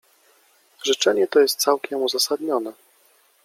— Życzenie to jest całkiem uzasadnione.